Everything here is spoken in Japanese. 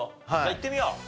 いってみよう！